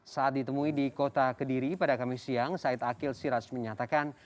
saat ditemui di kota kediri pada kamis siang said akil siraj menyatakan